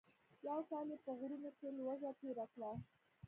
یو کال یې په غرونو کې لوږه تېره کړه.